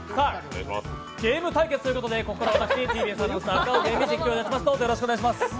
ゲーム対決ということでここからは私、ＴＢＳアナウンサー赤荻歩が実況してまいります。